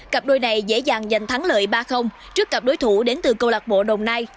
cặp đôi này dễ dàng giành thắng lợi ba trước cặp đối thủ đến từ câu lạc bộ đồng nai